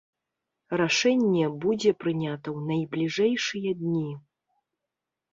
Рашэнне будзе прынята ў найбліжэйшыя дні!